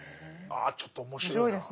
ああちょっと面白いなぁ。